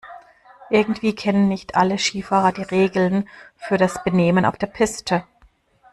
Irgendwie kennen nicht alle Skifahrer die Regeln für das Benehmen auf der Piste.